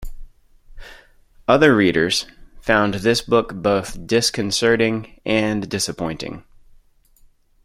Other readers found this book both disconcerting and disappointing.